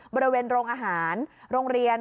บริเวณโรงอาหารโรงเรียน